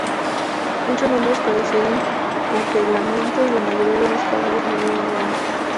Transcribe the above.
Muchos hombres padecieron congelamiento y la mayoría de los caballos murieron de hambre.